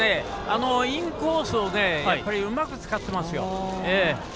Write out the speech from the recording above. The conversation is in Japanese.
インコースをやっぱりうまく使ってますよ。